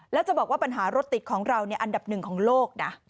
แล้วจะบอกว่าปัญหารถติดของเราอันดับหนึ่งของโลกนะ